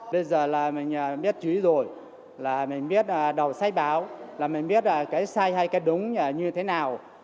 bây giờ là mình biết chú ý rồi là mình biết đầu sai báo là mình biết cái sai hay cái đúng như thế nào